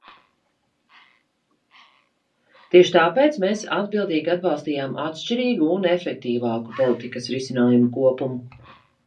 Tieši tāpēc mēs atbildīgi atbalstījām atšķirīgu un efektīvāku politikas risinājumu kopumu.